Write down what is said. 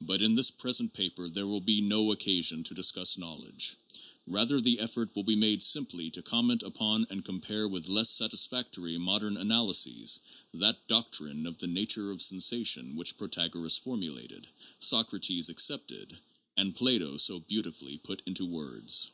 But in this present paper there will be no occasion to discuss knowledge; rather the effort will be made simply to comment upon and compare with less satisfactory modern analyses that doctrine of the nature of sensa tions which Protagoras formulated, Socrates accepted, and Plato so beautifully put into words.